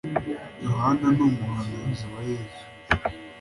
yohana ni umuhanuzi wa yezu.